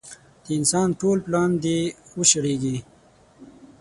د انسان ټول پلان دې وشړېږي.